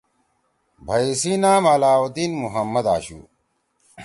بھئی سی نام علاءالدین محمد آشُو۔